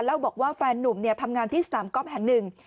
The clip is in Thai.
แล้วบอกว่าแฟนนุ่มทำงานที่สนามก๊อฟแห่งหนึ่ง